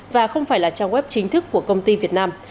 và không phải là trang web chính thức của công ty việt nam